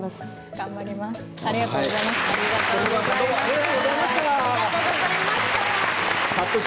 頑張ります。